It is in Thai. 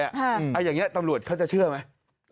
อย่างนี้ตำรวจเขาจะเชื่อไหม